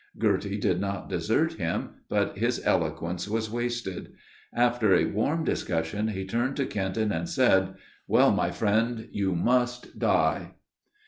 Girty did not desert him, but his eloquence was wasted. After a warm discussion, he turned to Kenton and said, "Well, my friend, _you must die!